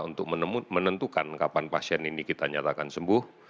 untuk menentukan kapan pasien ini kita nyatakan sembuh